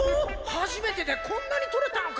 はじめてでこんなにとれたのか！？